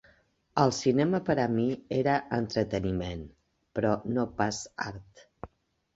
El cinema per a mi era entreteniment, però no pas art.